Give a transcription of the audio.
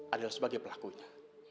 adalah sebagai pelakunya